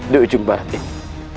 di ujung barat ini